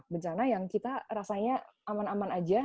bencana yang kita rasanya aman aman aja